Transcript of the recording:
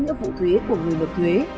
những vụ thuế của người được thuế